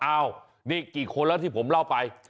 อ้าวนี่กี่คนแล้วที่ผมเล่าไป